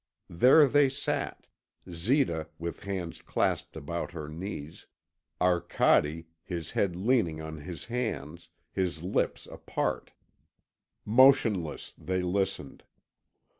There they sat; Zita with hands clasped about her knees, Arcade, his head leaning on his hand, his lips apart. Motionless they listened.